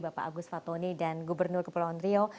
bapak agus fatoni dan gubernur kepulauan rio